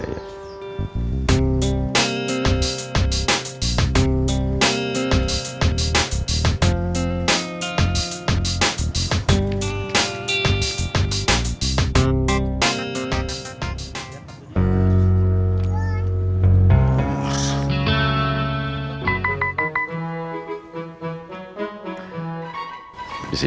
saya sedes dulu ya